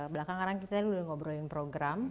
belakang karena kita tadi sudah ngobrolin program